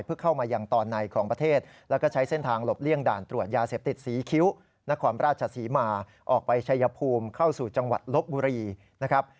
เพื่อเข้ามายังตอนในของประเทศแล้วก็ใช้เส้นทางหลบเลี่ยงด่านตรวจยาเสพติดศรีคิ้วนครราชศรีมาออกไปชัยภูมิเข้าสู่จังหวัดลบบุรีนะครับ